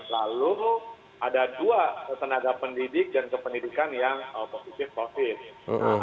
lalu ada dua tenaga pendidik dan kependidikan yang positif covid